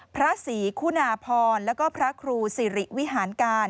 พระศรีคุณาพรแล้วก็พระครูสิริวิหารการ